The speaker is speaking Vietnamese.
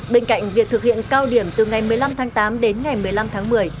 bên cạnh việc thực hiện cao điểm từ ngày một mươi năm tháng tám đến ngày một mươi năm tháng một mươi